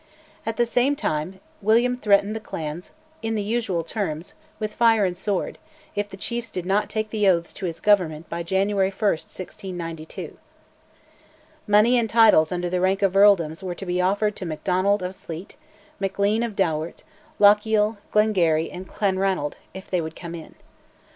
At the same time William threatened the clans, in the usual terms, with "fire and sword," if the chiefs did not take the oaths to his Government by January 1, 1692. Money and titles under the rank of earldoms were to be offered to Macdonald of Sleat, Maclean of Dowart, Lochiel, Glengarry, and Clanranald, if they would come in.